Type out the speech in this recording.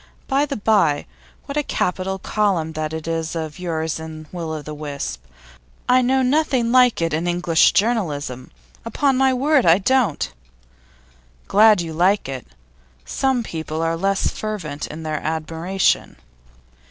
By the bye, what a capital column that is of yours in Will o' the Wisp. I know nothing like it in English journalism; upon my word I don't!' 'Glad you like it. Some people are less fervent in their admiration.